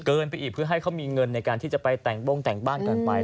ไปอีกเพื่อให้เขามีเงินในการที่จะไปแต่งบ้งแต่งบ้านกันไป